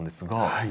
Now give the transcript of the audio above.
はい。